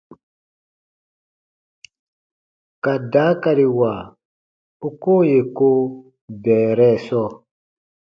Ka daakariwa u koo yè ko bɛɛrɛ sɔɔ.